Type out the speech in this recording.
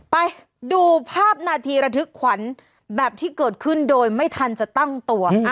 ไปดูภาพนาทีระทึกขวัญแบบที่เกิดขึ้นโดยไม่ทันจะตั้งตัวค่ะ